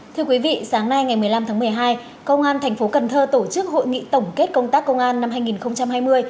thưa quý vị sáng nay ngày một mươi năm tháng một mươi hai công an thành phố cần thơ tổ chức hội nghị tổng kết công tác công an năm hai nghìn hai mươi